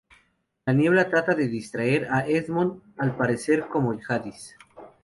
La niebla trata de distraer a Edmund al aparecer como Jadis.